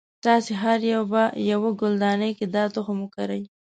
تاسې هر یو به یوه ګلدانۍ کې دا تخم وکری.